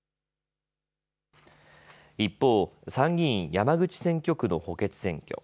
一方、参議院山口選挙区の補欠選挙。